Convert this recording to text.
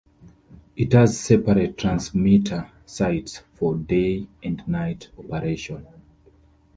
It has separate transmitter sites for day and night operation.